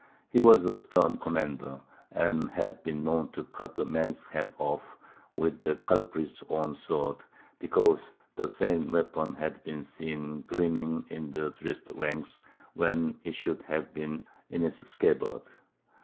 He was a stern commander, and had been known to cut a man's head off with the culprit's own sword, because the same weapon had been seen gleaming in the dressed ranks when it should have been in its scabbard.